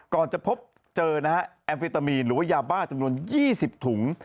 ก่อนจะพบเจอแอมฟิตามีนหรือว่ายาบ้าจำนวน๒๐ถุง